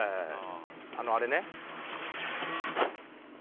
あのあれね。